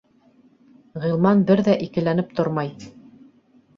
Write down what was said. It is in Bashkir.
Ғилман бер ҙә икеләнеп тормай: